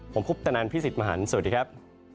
ผมคุปตนันพี่สิทธิ์มหันฯสวัสดีครับ